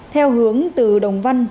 theo hướng từ đồng văn